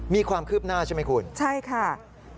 มีความคืบหน้าใช่ไหมคุณใช่ค่ะ